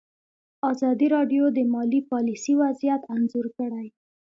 ازادي راډیو د مالي پالیسي وضعیت انځور کړی.